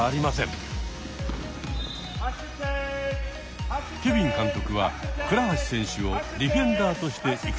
ケビン監督は倉橋選手をディフェンダーとして育成してきました。